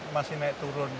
masih naik turun